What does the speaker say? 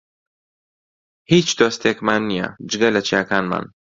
هیچ دۆستێکمان نییە، جگە لە چیاکانمان.